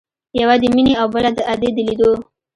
يوه د مينې او بله د ادې د ليدو.